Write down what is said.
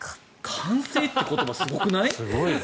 完成って言葉すごくない？